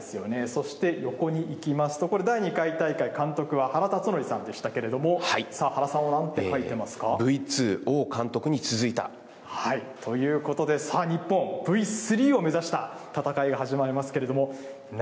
そして横に行きますと、これ第２回大会、監督は原辰徳さんでしたけども、さあ、原さんはなんて書いてＶ２王監督に続いた！ということで、さあ、日本、Ｖ３を目指した戦いが始まります